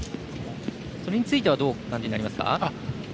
それについてはどうお感じになりますか？